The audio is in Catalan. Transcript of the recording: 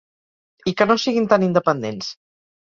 I que no siguin tan independents.